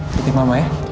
petik mama ya